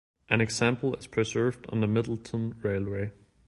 An example is preserved on the Middleton Railway.